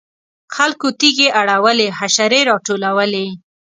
خلکو تیږې اړولې حشرې راټولولې.